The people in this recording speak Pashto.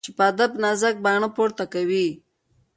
چي په ادب نازک باڼه پورته کوي